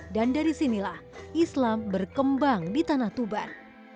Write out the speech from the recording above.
dan dari sinilah islam berkembang di tanah tuban